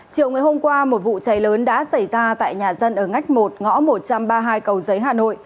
chiều ngày hôm qua một vụ cháy lớn đã xảy ra tại nhà dân ở ngách một ngõ một trăm ba mươi hai cầu giấy hà nội